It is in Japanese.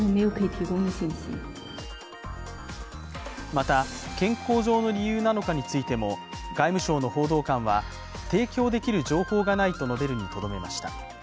また健康上の理由なのかについても外務省の報道官は提供できる情報がないと述べるにとどめました。